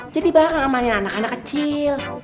jadi bareng amalin anak anak kecil